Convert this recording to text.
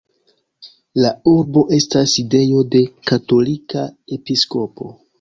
La urbo estas sidejo de katolika episkopo.